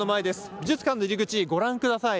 美術館の入り口ご覧ください。